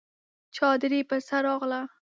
چادري پر سر راغله!